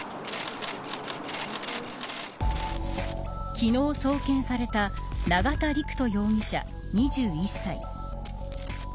昨日、送検された永田陸人容疑者、２１歳。